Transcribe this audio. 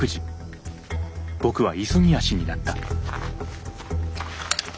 僕は急ぎ足になった。